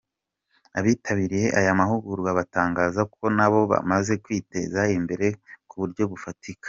Abitabiriye aya mahugurwa batangaza ko nabo bamaze kwiteza imbere ku buryo bufatika.